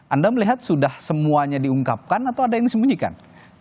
anda melihat sudah semuanya diungkapkan atau ada yang disembunyikan